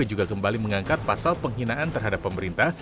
juga kembali mengangkat pasal penghinaan terhadap pemerintah